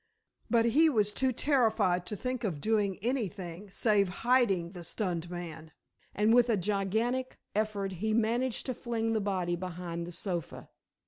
But he was too terrified to think of doing anything save hiding the stunned man, and with a gigantic effort he managed to fling the body behind the sofa.